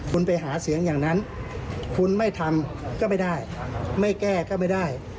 คุณไปหาเสียงอย่างนั้นคุณไม่ทำก็ไม่ได้ไม่แก้ก็ไม่ได้